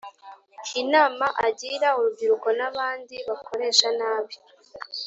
Inama agira urubyiruko n’abandi bakoresha nabi